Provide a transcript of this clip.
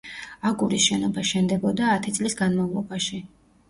აგურის შენობა შენდებოდა ათი წლის განმავლობაში.